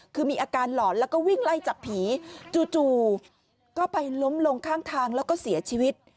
คือมีอาการหลอนแล้วก็วิ่งไล่จับผีจู่ก็ไปล้มลงข้างทางแล้วก็เสียชีวิต